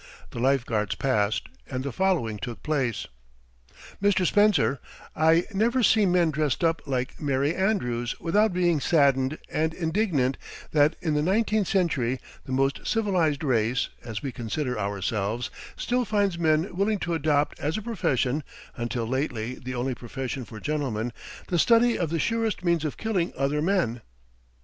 The Life Guards passed and the following took place: "Mr. Spencer, I never see men dressed up like Merry Andrews without being saddened and indignant that in the nineteenth century the most civilized race, as we consider ourselves, still finds men willing to adopt as a profession until lately the only profession for gentlemen the study of the surest means of killing other men."